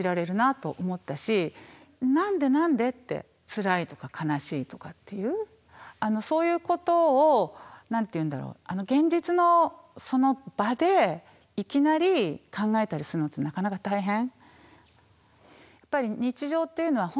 「なんでなんで？」ってつらいとか悲しいとかっていうそういうことを何て言うんだろう現実のその場でいきなり考えたりするのってなかなか大変。